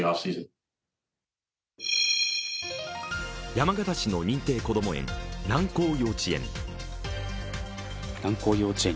山形市の認定こども園、南光幼稚園。